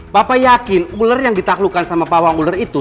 bapak yakin ular yang ditaklukkan sama pawang ular itu